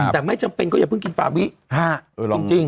แต่ไม่จำเป็นก็อย่าเพิ่งกินฟาวิจริง